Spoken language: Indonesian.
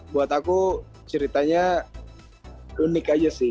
buat aku ceritanya unik aja sih